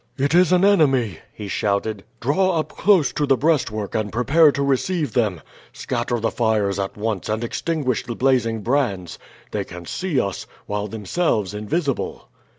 "It is an enemy!" he shouted. "Draw up close to the breastwork and prepare to receive them. Scatter the fires at once and extinguish the blazing brands. They can see us, while themselves invisible."